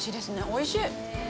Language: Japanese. おいしい！